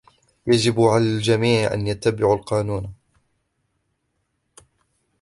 يجب على الجميع أن يتبعوا القانون.